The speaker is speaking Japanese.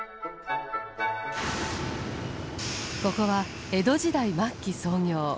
ここは江戸時代末期創業。